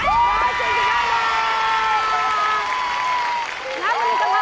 และต่อไปตอนนี้ทั้ง๓ชื่อนี้นะคะ